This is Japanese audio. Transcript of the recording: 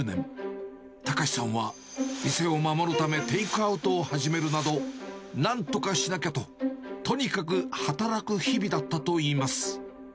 隆さんは店を守るため、テイクアウトを始めるなど、なんとかしなきゃと、とにかく働く日々だったといいます。